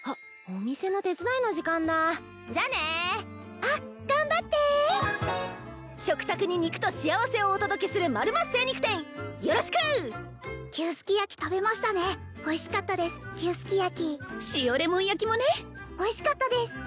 お店の手伝いの時間だじゃあねあっ頑張って食卓に肉と幸せをお届けするマルマ精肉店よろしく！牛すき焼き食べましたねおいしかったです牛すき焼き塩レモン焼きもねおいしかったです